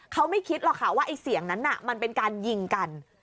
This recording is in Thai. เขาไม่คิดหรอกค่ะว่าไอ้เสียงนั้นมันเป็นการยิงกัน